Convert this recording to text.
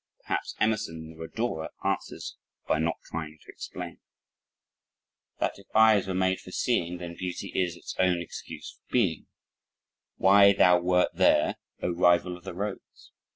Perhaps Emerson in the Rhodora answers by not trying to explain That if eyes were made for seeing Then beauty is its own excuse for being: Why thou wert there, O, rival of the rose!